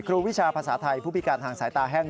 วิชาภาษาไทยผู้พิการทางสายตาแห้ง